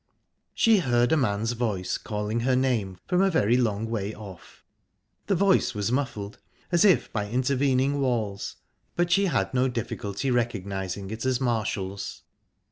She heard a man's voice calling her name from a very long way off. The voice was muffled, as if by intervening walls, but she had no difficulty recognising it as Marshall's.